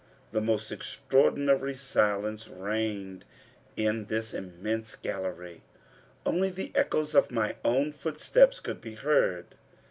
The most extraordinary silence reigned in this immense gallery. Only the echoes of my own footsteps could be heard.